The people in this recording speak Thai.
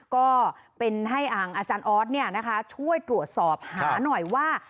ก็เป็นให้อางอาจารย์ออสเนี่ยนะคะช่วยตรวจสอบหาหน่อยว่า